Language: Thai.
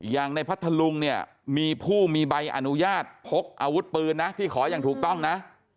อย่างในพัทธลุงเนี่ยมีผู้มีใบอนุญาตพกอาวุธปืนนะที่ขออย่างถูกต้องนะ